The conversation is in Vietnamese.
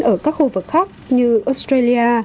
ở các khu vực khác như australia